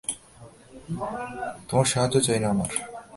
তোমার সাহায্য চাই না আমার।